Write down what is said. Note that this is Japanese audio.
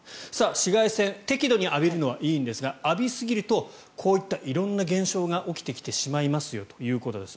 紫外線適度に浴びるのはいいんですが浴びすぎるとこういった色んな現象が起きてきてしまいますよということです。